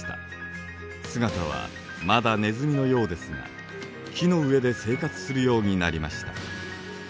姿はまだネズミのようですが木の上で生活するようになりました。